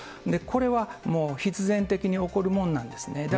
これはもう必然的に起こるものなんですね。